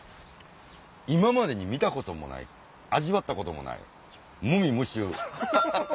今までに見たこともない味わったこともない無味無臭。